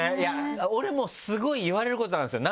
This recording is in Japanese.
俺もスゴい言われることあるんですよ